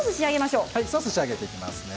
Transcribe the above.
では仕上げていきますね。